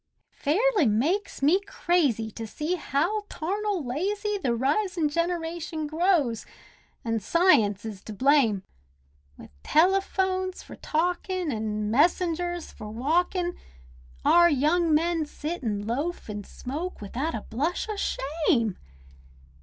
It fairly makes me crazy to see how tarnal lazy The risin' generation grows—an' science is to blame. With telephones for talkin', an' messengers for walkin', Our young men sit an' loaf an' smoke, without a blush o' shame.